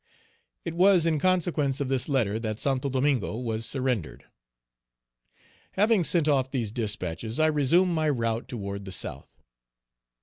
It was in consequence of this letter that Santo Domingo was surrendered. Having sent off these dispatches, I resumed my route toward the South.